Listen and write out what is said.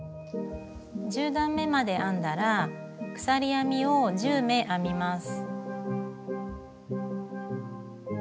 １０段めまで編んだら鎖編みを１０目編みます。